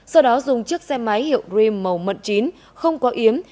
sau đó dùng chiếc xe máy hiệu dream màu mận chín không có yếm